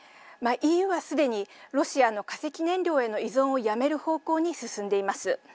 ＥＵはすでにロシアの化石燃料への依存をやめる方向に進んでいます。